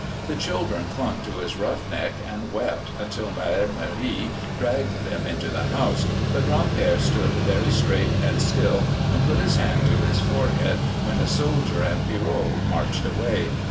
The children clung to his rough neck and wept until Mère Marie dragged them into the house, but Gran'père stood very straight and still and put his hand to his forehead when the soldier and Pierrot marched away.